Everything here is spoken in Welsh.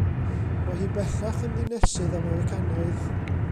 Mae hi bellach yn ddinesydd Americanaidd.